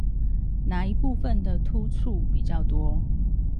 哪一部分的突觸比較多？